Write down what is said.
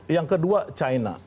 yang kedua china